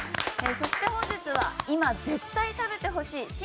そして本日は「今絶対食べてほしい！